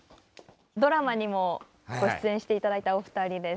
ドラマにもご出演していただいたお二人です。